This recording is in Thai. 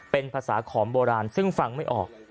เป็นภาษาขอมโบราณซึ่งฟังไม่ออก